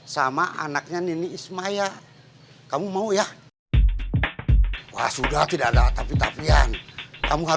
sampai jumpa di video selanjutnya